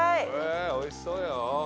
おいしそうよ。